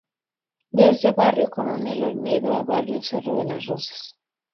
Desde barrio Coronel Olmedo a barrio Cerro de Las Rosas.